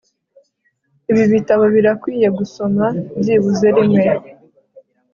ibi bitabo birakwiye gusoma byibuze rimwe